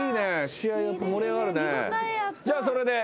試合やっぱ盛り上がるね。